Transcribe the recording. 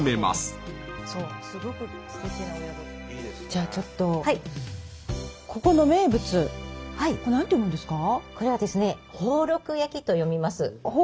じゃあちょっとこれ何て読むんですか？